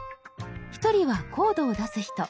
一人はコードを出す人。